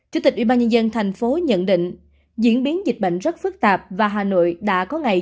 chủ tịch ubnd tp nhận định diễn biến dịch bệnh rất phức tạp và hà nội đã có ngày